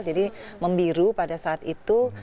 jadi membiru pada saat itu